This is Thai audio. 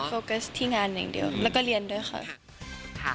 โฟกัสที่งานอย่างเดียวแล้วก็เรียนด้วยค่ะ